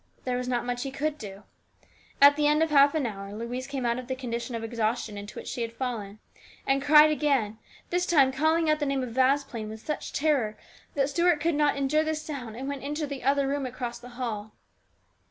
There was not much he could do. At the end of half an hour Louise came out of the condition of exhaustion into which she had fallen, and cried again, this time calling out the name of Vasplaine with such terror that Stuart could net endure the sound and went into the other room across the hall.